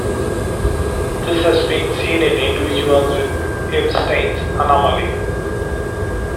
This has been seen in individuals with Ebstein's anomaly.